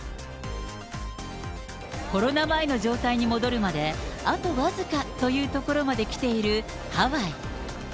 コロナ前の状態に戻るまで、あと僅かというところまで来ているハワイ。